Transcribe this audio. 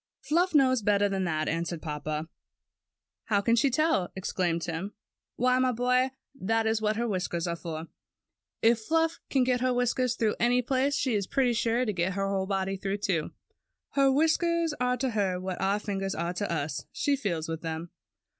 "Fluff knows better than that," answered papa "How can she tell?" exclaimed Tim. TIM'S CAT 49 ^Why, my boy, that is what her whisk ers are for. If Fluff can get her whiskers through any place, she is pretty sure to get her body through, too. Her whiskers are to her what our fingers are to us. She feels with them."